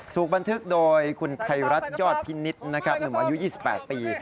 ถูกบันทึกโดยคุณไขรัฐยอดพินิษฐ์หนึ่งอายุ๒๘ปี